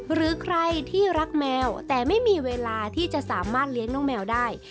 หรือใครที่รักแมวแต่ไม่มีเวลาที่จะสามารถเลี้ยงน้องแมวได้